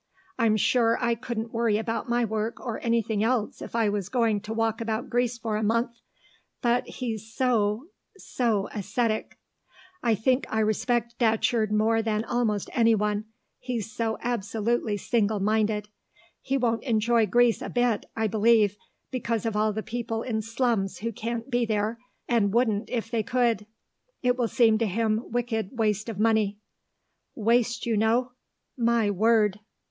I'm sure I couldn't worry about my work or anything else if I was going to walk about Greece for a month; but he's so so ascetic. I think I respect Datcherd more than almost anyone; he's so absolutely single minded. He won't enjoy Greece a bit, I believe, because of all the people in slums who can't be there, and wouldn't if they could. It will seem to him wicked waste of money. Waste, you know! My word!"